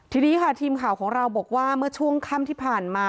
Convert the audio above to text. ทีนี้ค่ะทีมข่าวของเราบอกว่าเมื่อช่วงค่ำที่ผ่านมา